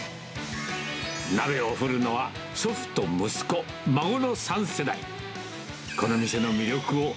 鍋を振るのは、祖父と息子、孫の３世代。